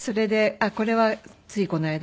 これはついこの間。